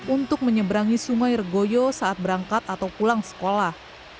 untuk menyeberangi sumair goyo saat berangkat atau pulang sekolah